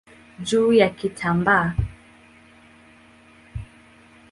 juu ya kitambaa.